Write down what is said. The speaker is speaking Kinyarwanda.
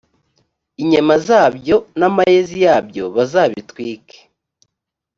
inyama zabyo n amayezi yabyo bazabitwike